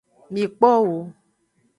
Mi kpo wo.